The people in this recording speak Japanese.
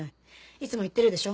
いつも言ってるでしょ。